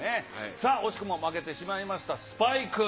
さあ、惜しくも負けてしまいましたスパイク。